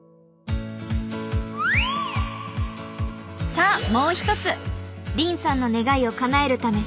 さあもう一つ凜さんの願いをかなえるため小学校へ。